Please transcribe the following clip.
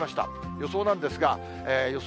予想なんですが、予想